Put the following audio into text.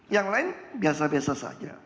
yang lain biasa biasa saja